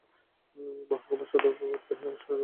মহকুমার সদর কোচবিহার শহরে অবস্থিত।